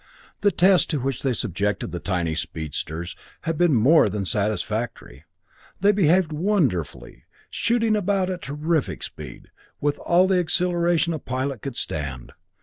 The tests to which they subjected the tiny speedsters had been more than satisfactory. They behaved wonderfully, shooting about at terrific speed, and with all the acceleration a pilot could stand.